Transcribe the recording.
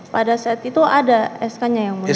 pada saat itu ada sk nya yang mulia